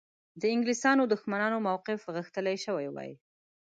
د انګلیسیانو دښمنانو موقف غښتلی شوی وای.